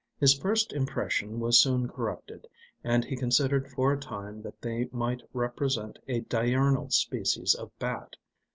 His first impression was soon corrected, and he considered for a time that they might represent a diurnal species of bat.